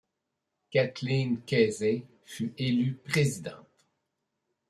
Kathleen Casey fut élue présidente.